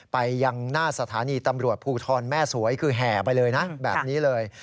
ไปยังหน้าสถานีตำรวจภูทรแม่สวยคือแห่ไปเลยนะแบบนี้เลย